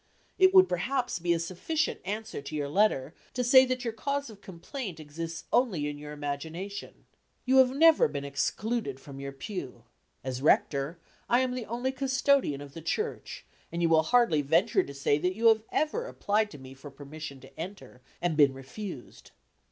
It would perhaps be a sufficient answer to your letter, to say that your cause of complaint exists only in your imagination. You have never been excluded from your pew. As rector, I am the only custodian of the church, and you will hardly venture to say that you have ever applied to me for permission to enter, and been refused.